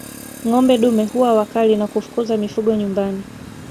Ngombe dume huwa wakali na kufukuza mifugo nyumbani